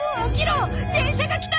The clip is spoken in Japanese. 電車が来たぞ！